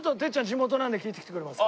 地元なんで聞いてきてくれますか？